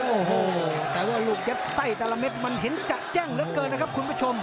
โอ้โหแต่ว่าลูกยัดไส้แต่ละเม็ดมันเห็นจัดแจ้งเหลือเกินนะครับคุณผู้ชม